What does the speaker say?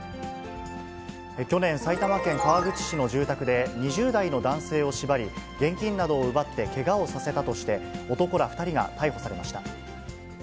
去年、埼玉県川口市の住宅で、２０代の男性を縛り、現金などを奪ってけがをさせたとして、男ら２人が逮捕されました。